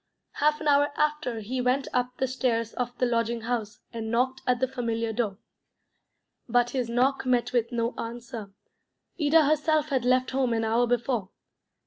Half an hour after he went up the stairs of the lodging house and knocked at the familiar door. But his knock met with no answer. Ida herself had left home an hour before.